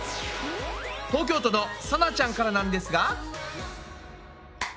東京都のさなちゃんからなんですが。